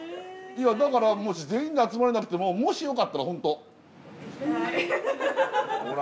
だからもし全員で集まれなくてももしよかったら本当。